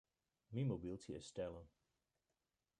Myn mobyltsje is stellen.